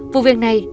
vụ việc này